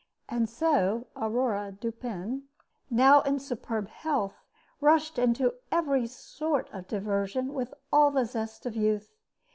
And so Aurore Dupin, now in superb health, rushed into every sort of diversion with all the zest of youth.